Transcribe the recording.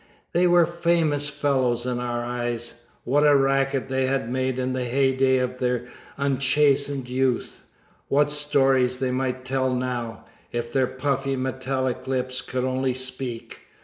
They were famous fellows in our eyes. What a racket they had made in the heyday of their unchastened youth! What stories they might tell now, if their puffy metallic lips could only speak!